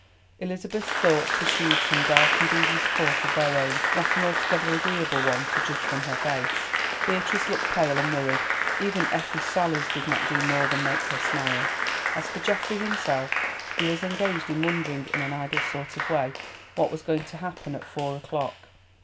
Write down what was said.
Elizabeth's thoughts pursued some dark and devious course of their own, not an altogether agreeable one to judge from her face. Beatrice looked pale and worried; even Effie's sallies did not do more than make her smile. As for Geoffrey himself, he was engaged in wondering in an idle sort of way what was going to happen at four o'clock.